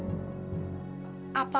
lagi jalan sama om fauzan